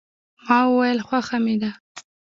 ما وویل، خوښه مې ده.